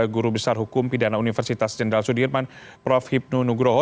guru besar hukum pidana universitas jenderal sudirman prof hipnu nugroho